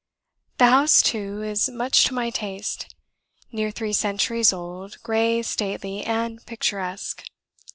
The house, too, is much to my taste; near three centuries old, grey, stately, and picturesque.